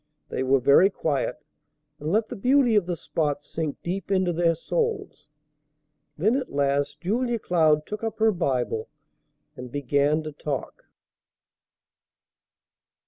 They were very quiet, and let the beauty of the spot sink deep into their souls. Then at last Julia Cloud took up her Bible, and began to talk.